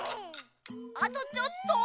あとちょっと。